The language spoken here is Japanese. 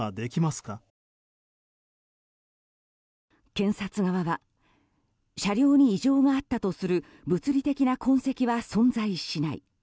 検察側は車両に異常があったとする物理的な痕跡は存在しない。